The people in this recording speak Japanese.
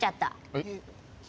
えっ？